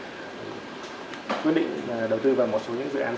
quan trọng nhất để chúng ta có thể là